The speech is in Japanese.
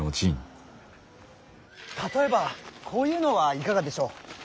例えばこういうのはいかがでしょう。